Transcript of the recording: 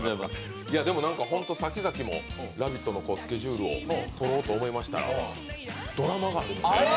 でも、先々も「ラヴィット！」のスケジュールをとろうと思いましたら、ドラマがあるみたいで。